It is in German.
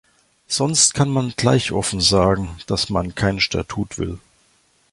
Sonst kann man gleich offen sagen, dass man kein Statut will.